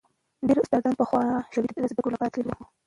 ډېر استادان پخوا شوروي ته د زدکړو لپاره تللي وو.